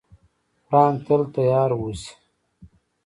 پړانګ تل تیار اوسي.